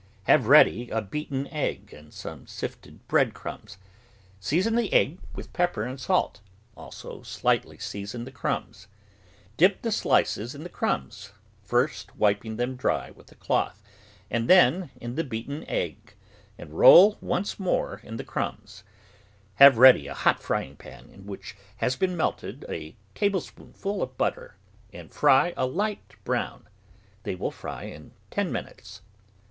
Have ready a beaten egg and some sifted bread crumbs. Season the egg with pepper and salt; also slightly season the crumbs. Dip the slices in the crumbs, first wiping them dry with a cloth, and then in the beaten egg, and roll once more in the THE GROWING OF VARIOUS VEGETABLES crumbs; have ready a hot frying pan in which has been melted a tablespoonful of butter and fry a hght brown; they will fry in ten minutes.